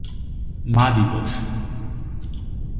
মা দিবস